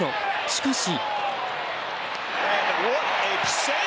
しかし。